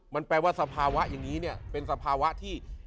มันแปลว่าสภาวะอย่างนี้เนี่ยเป็นสภาวะที่